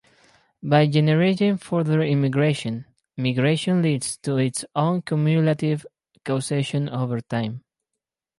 By generating further immigration, migration leads to its own cumulative causation over time.